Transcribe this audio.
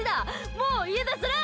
もう、家出する！